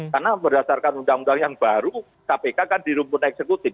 karena berdasarkan undang undang yang baru kpk kan dirumput eksekutif